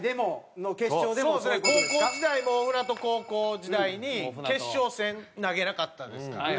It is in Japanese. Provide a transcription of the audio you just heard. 高校時代も大船渡高校時代に決勝戦投げなかったですからね。